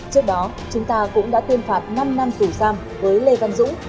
trước đó chúng ta cũng đã tuyên phạt năm năm tù giam với lê văn dũng